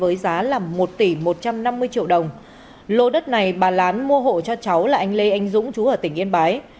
với giá là một tỷ một trăm năm mươi triệu đồng lô đất này bà lán mua hộ cho cháu là anh lê anh dũng chú ở tỉnh yên bái